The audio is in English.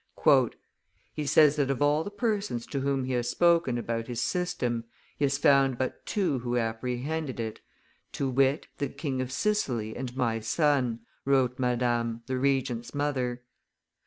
"He says that of all the persons to whom he has spoken about his system, he has found but two who apprehended it, to wit, the King of Sicily and my son," wrote Madame, the Regent's mother.